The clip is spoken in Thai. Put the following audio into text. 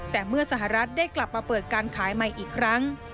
แต่เมื่อสหรัฐได้กลับมาเปิดการขายใหม่อีกครั้ง